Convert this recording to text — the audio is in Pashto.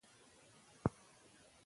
پیسې او شتمني ځواک دی.